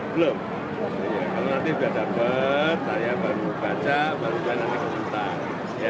belum kalau nanti sudah dapat saya baru baca baru jangan berkomentar